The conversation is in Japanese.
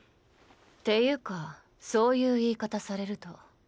っていうかそういう言い方されると。